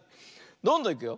どんどんいくよ。